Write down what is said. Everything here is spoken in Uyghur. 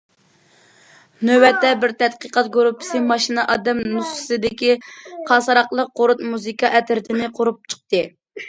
نۆۋەتتە بىر تەتقىقات گۇرۇپپىسى ماشىنا ئادەم نۇسخىسىدىكى قاسراقلىق قۇرت مۇزىكا ئەترىتىنى قۇرۇپ چىقتى.